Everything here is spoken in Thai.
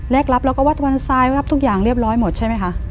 รับแล้วก็วัดวันทรายรับทุกอย่างเรียบร้อยหมดใช่ไหมคะ